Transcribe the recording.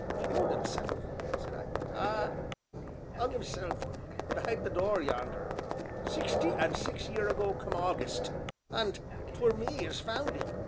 "Killed himself!" said I. "Ah ! 'ung 'isself be'ind th' door yonder, sixty an' six year ago come August, an' 't were me as found 'im.